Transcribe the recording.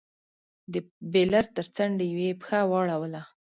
د بېلر تر څنډې يې پښه واړوله.